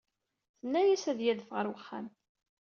Tenna-as ad d-yadef ɣer uxxam.